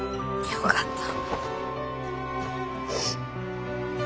よかった。